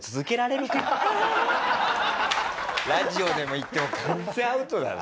ラジオで言っても完全アウトだぞ。